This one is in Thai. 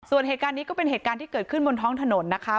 ส่วนเหตุการณ์นี้ก็เป็นเหตุการณ์ที่เกิดขึ้นบนท้องถนนนะคะ